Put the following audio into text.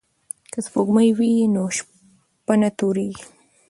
که سپوږمۍ وي نو شپه نه تورېږي.